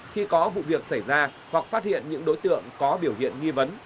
khi có vụ việc xảy ra hoặc phát hiện những đối tượng có biểu hiện nghi vấn